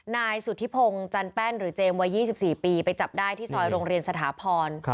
นายสุธิพงศ์จันแป้นหรือเจมส์วัย๒๔ปีไปจับได้ที่ซอยโรงเรียนสถาพร